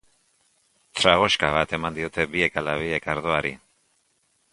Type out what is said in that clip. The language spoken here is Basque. Tragoxka bat eman diote biek ala biek ardoari.